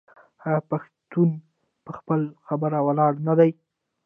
آیا پښتون په خپله خبره ولاړ نه دی؟